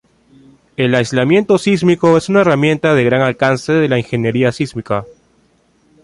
El aislamiento sísmico es una herramienta de gran alcance de la ingeniería sísmica.